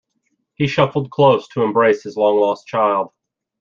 He shuffled close to embrace his long lost child.